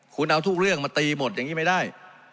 คุณเอาทุกเรื่องมาตีหมดอย่างนี้ไม่ได้